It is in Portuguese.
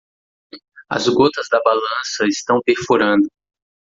As gotas da balança estão perfurando.